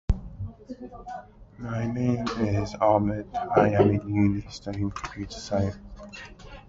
The software then scores each test transcript and outputs results for each student.